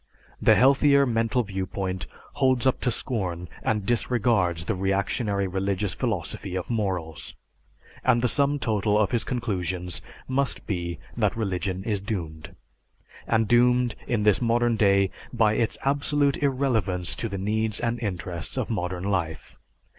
The healthier mental viewpoint holds up to scorn and discards the reactionary religious philosophy of morals, and the sum total of his conclusions must be that religion is doomed; and doomed in this modern day by its absolute irrelevance to the needs and interests of modern life.